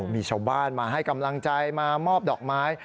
มีชาวบ้านมาให้กำลังใจมามอบดอกไม้